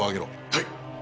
はい！